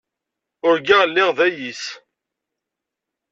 Urgaɣ lliɣ d ayis.